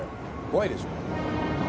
怖いでしょ。